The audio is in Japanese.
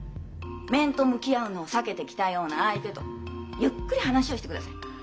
面と向き合うのを避けてきたような相手とゆっくり話をしてください。